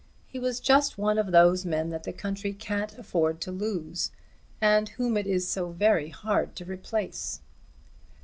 He was just one of those men that the country can't afford to lose, and whom it is so very hard to replace."